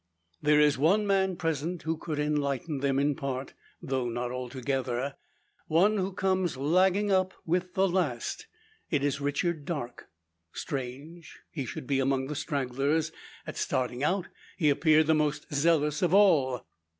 There is one man present who could enlighten them in part, though not altogether one who comes lagging up with the last. It is Richard Darke. Strange he should be among the stragglers. At starting out he appeared the most zealous of all!